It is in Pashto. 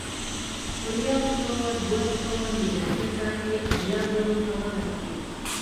په یو سوه دوه سوه میلادي کال کې اویا زرو ته ورسېد